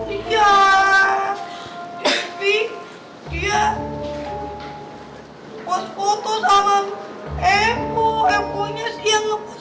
ini tadi malu dia tapi dia post foto sama embo embo nya siang